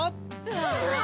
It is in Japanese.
うわ！